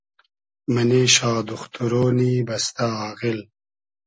مئنې شا دوختورۉنی بئستۂ آغیل